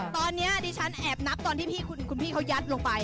ตอนนี้ดิฉันแอบนับตอนที่คุณพี่เขายัดลงไป